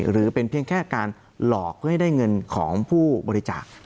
หรือเป็นเพียงแค่การหลอกเพื่อให้ได้เงินของผู้บริจาค